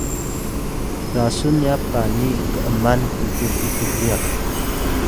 rasun nya pkani k’man utux utux ryax